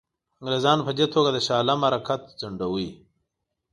انګرېزانو په دې توګه د شاه عالم حرکت ځنډاوه.